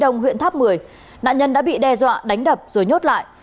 đông huyện tháp một mươi nạn nhân đã bị đe dọa đánh đập rồi nhốt lại